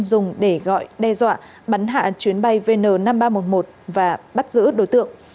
dùng để gọi đe dọa bắn hạ chuyến bay vn năm nghìn ba trăm một mươi một và bắt giữ đối tượng